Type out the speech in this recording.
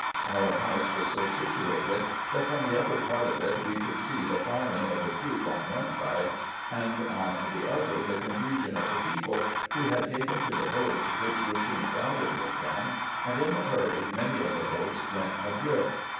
Our house was so situated, that from the upper part of it we could see the firing of the troops on one side, and on the other the confusion of the people, who had taken to the boats, which were soon crowded with them, and in the hurry many of the boats went adrift.